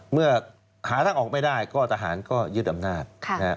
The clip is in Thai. เมื่อหาทางออกไม่ได้ก็ทหารก็ยึดอำนาจ